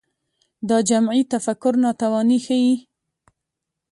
دا جمعي تفکر ناتواني ښيي